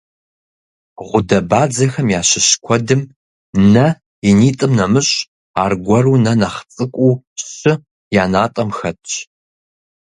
Гъудэбадзэхэм ящыщ куэдым, нэ инитӏым нэмыщӏ, аргуэру нэ нэхъ цӏыкӏуу щы я натӏэм хэтщ.